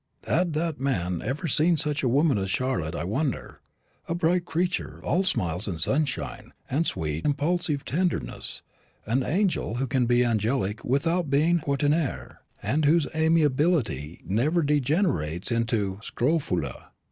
Had that man ever seen such a woman as Charlotte, I wonder a bright creature, all smiles and sunshine, and sweet impulsive tenderness; an angel who can be angelic without being poitrinaire, and whose amiability never degenerates into scrofula?